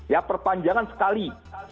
ya perpanjangan sekali